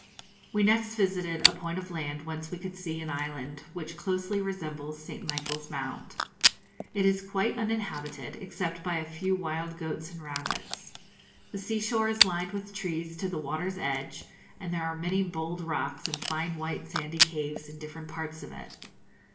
We next visited a point of land whence we could see an island which closely resembles St. Michael's Mount. It is quite uninhabited, except by a few wild goats and rabbits. The sea shore is lined with trees to the water's edge, and there are many bold rocks and fine white sandy caves in different parts of it.